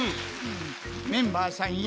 メンバーさんや。